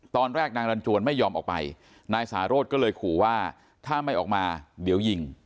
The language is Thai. ตอนแรกนางรันจวนไม่ยอมออกไปนายสาโรธก็เลยขู่ว่าถ้าไม่ออกมาเดี๋ยวยิง